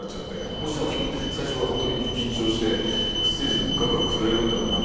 もちろん最初はほんとに緊張してステージでもガクガク震えるんだろうなって。